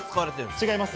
違います。